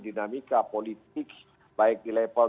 dinamika politik baik di level